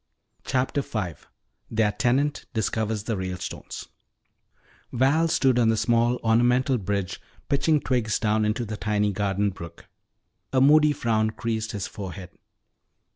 CHAPTER V THEIR TENANT DISCOVERS THE RALESTONES Val stood on the small ornamental bridge pitching twigs down into the tiny garden brook. A moody frown creased his forehead.